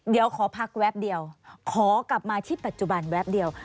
เดี๋ยวขอพักแวบเดียวขอกลับมาที่ปัจจุบันแวบเดียว